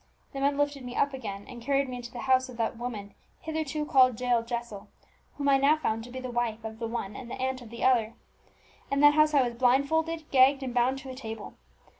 The men lifted me up again, and carried me into the house of the woman hitherto called Jael Jessel, whom I now found to be the wife of the one and the aunt of the other. In that house I was blindfolded, gagged, and bound to a table.